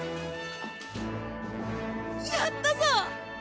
やったぞ！